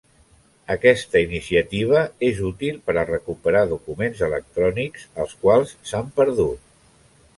Aquesta iniciativa és útil per a recuperar documents electrònics els quals s'han perdut.